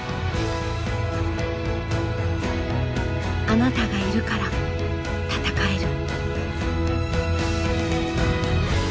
「あなたがいるから戦える」。